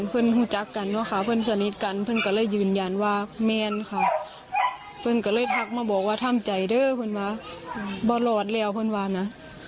เพื่อนบอกมั้ยคะว่าโดนระเบิดแล้วไม่รู้